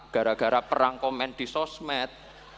gara gara perang komen di sosmed